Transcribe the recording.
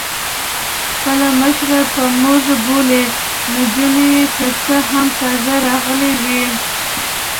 خپله مشره په مور بولي، نجونې که څه هم تازه راغلي وې.